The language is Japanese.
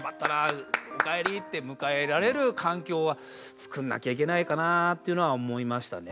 おかえり」って迎えられる環境はつくんなきゃいけないかなっていうのは思いましたね。